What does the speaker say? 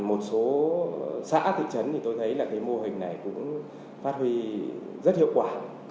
thì tôi thấy mô hình này cũng phát huy rất hiệu quả